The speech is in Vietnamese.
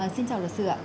xin chào luật sư ạ